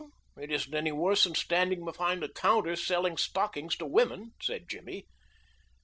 "It isn't any worse than standing behind a counter, selling stockings to women," said Jimmy.